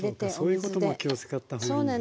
そういうことも気を遣った方がいいんですね。